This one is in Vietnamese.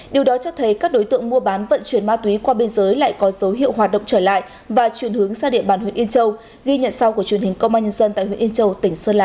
điều đó cho thấy các đối tượng mua bán vận chuyển ma túy qua biên giới lại có dấu hiệu hoạt động trở lại và chuyển hướng sang địa bàn huyện yên châu ghi nhận sau của truyền hình công an nhân dân tại huyện yên châu tỉnh sơn la